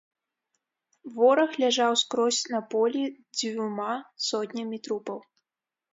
Вораг ляжаў скрозь на полі дзвюма сотнямі трупаў.